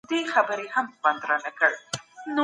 ژوند یو نه تکرارېدونکی فرصت دی.